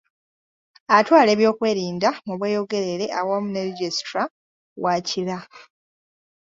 Atwala ebyokwerinda mu Bweyogerere awamu ne Registrar wa Kira.